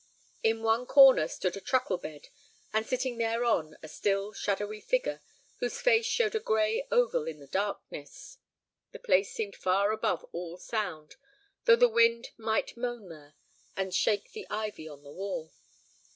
In one corner stood a truckle bed, and sitting thereon a still, shadowy figure whose face showed a gray oval in the darkness. The place seemed far above all sound, though the wind might moan there and shake the ivy on the wall.